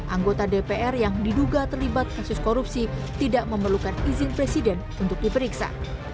anggota dpr yang diduga terlibat kasus korupsi tidak memerlukan izin presiden untuk diperiksa